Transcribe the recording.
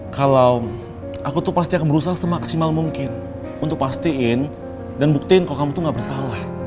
kalau aku tuh pasti akan berusaha semaksimal mungkin untuk pastiin dan buktiin kok kamu tuh gak bersalah